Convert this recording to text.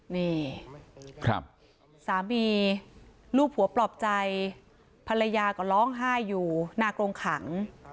นี่สามีรูปหัวปลอบใจภรรยาก็ร้องไห้อยู่หน้ากรงขัง